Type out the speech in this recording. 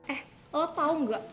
eh lo tau gak